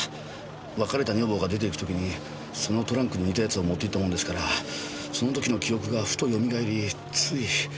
別れた女房が出て行く時にそのトランクに似たやつを持っていったものですからその時の記憶がふとよみがえりつい。